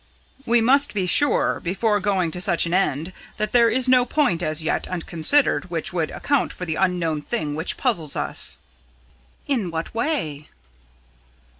"We must be sure, before going to such an end, that there is no point as yet unconsidered which would account for the unknown thing which puzzles us." "In what way?"